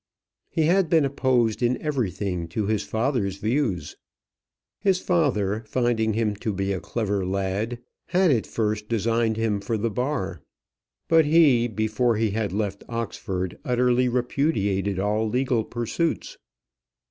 He had been opposed in everything to his father's views. His father, finding him to be a clever lad, had at first designed him for the Bar. But he, before he had left Oxford, utterly repudiated all legal pursuits.